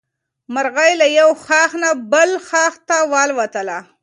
مرغۍ له یو ښاخ نه بل ته والوتله.